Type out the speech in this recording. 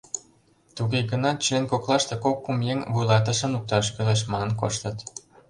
Туге гынат член коклаште кок-кум еҥ «вуйлатышым лукташ кӱлеш» манын коштыт.